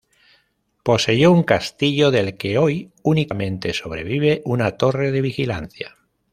Poseyó un castillo, del que hoy únicamente sobrevive una torre de vigilancia.